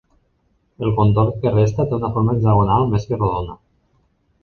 El contorn que resta té una forma hexagonal més que rodona.